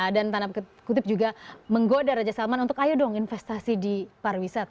dan tanam kutip juga menggoda raja salman untuk ayo dong investasi di pariwisata